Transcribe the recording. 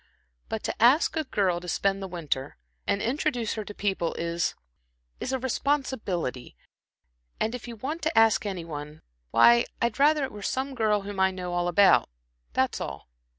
But to ask a girl to spend the winter, and introduce her to people, is is a responsibility; and if you want to ask any one why, I'd rather it were some girl whom I know all about that's all."